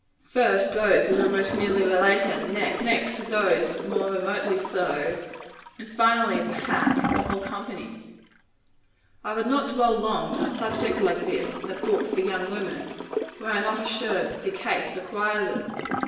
First, those most nearly related; next, those more remotely so; and finally, perhaps, the whole company. I would not dwell long on a subject like this, in a book for young women, were I not assured that the case requires it.